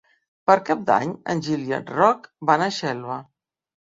Per Cap d'Any en Gil i en Roc van a Xelva.